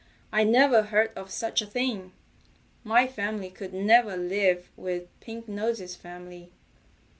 "I never heard of such a thing. My family could never live with Pink Nose's family."